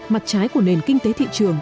mặt trái của nền kinh tế thị trường